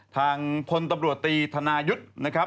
ทางคนตำรวจตีธานายุทธ์